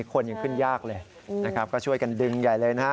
คนยังขึ้นยากเลยนะครับก็ช่วยกันดึงใหญ่เลยนะฮะ